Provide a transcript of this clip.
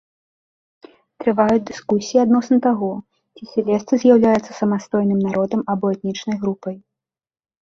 Трываюць дыскусіі адносна таго ці сілезцы з'яўляюцца самастойным народам або этнічнай групай.